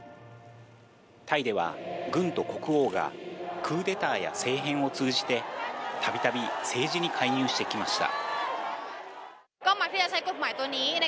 タイでは、軍と国王がクーデターや政変を通じて、たびたび政治に介入してきました。